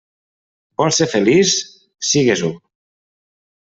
Vols ser feliç? Sigues-ho.